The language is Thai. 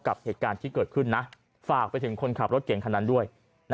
ฝากที่ไปถึงคนขับรถเก่งขนาดนั้นด้วย